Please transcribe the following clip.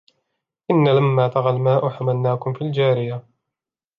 إِنَّا لَمَّا طَغَى الْمَاءُ حَمَلْنَاكُمْ فِي الْجَارِيَةِ